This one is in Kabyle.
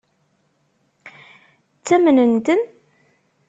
Ttamnen-ten?